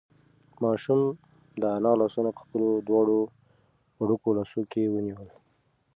ماشوم د انا لاسونه په خپلو دواړو وړوکو لاسونو کې ونیول.